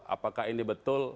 apakah ini betul